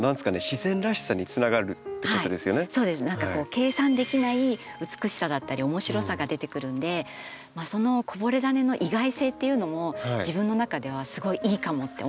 計算できない美しさだったり面白さが出てくるんでそのこぼれダネの意外性っていうのも自分の中ではすごいいいかも！って思ってるんですよ。